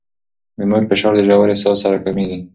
د مور فشار د ژورې ساه سره کمېږي.